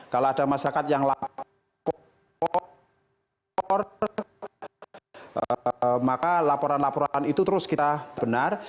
kalau ada masyarakat yang lapor maka laporan laporan itu terus kita benar